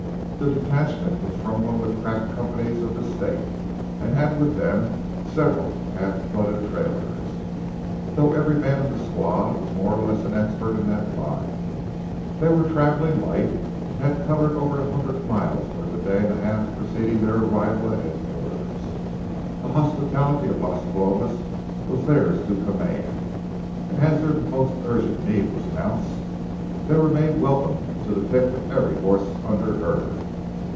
The detachment was from one of the crack companies of the state, and had with them several half blood trailers, though every man in the squad was more or less of an expert in that line. They were traveling light, and had covered over a hundred miles during the day and a half preceding their arrival at headquarters. The hospitality of Las Palomas was theirs to command, and as their most urgent need was mounts, they were made welcome to the pick of every horse under herd.